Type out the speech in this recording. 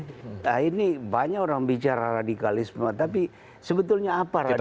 nah ini banyak orang bicara radikalisme tapi sebetulnya apa radikalis